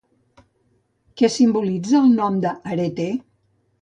Què simbolitza el nom d'Areté?